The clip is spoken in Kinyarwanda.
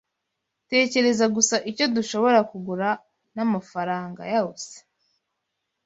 Tekereza gusa icyo dushobora kugura n'amafaranga yose.